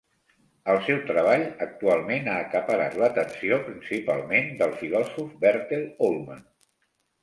El seu treball actualment ha acaparat l'atenció, principalment del filòsof Bertell Ollman.